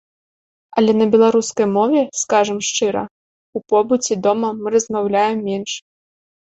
Але на беларускай мове, скажам шчыра, у побыце, дома мы размаўляем менш.